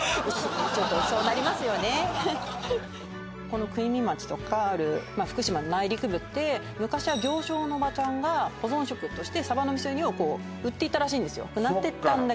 この国見町とかある福島の内陸部って昔は行商のおばちゃんが保存食としてサバの味噌煮を売っていたらしいんですね